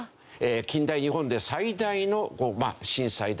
近代日本で最大の震災だった。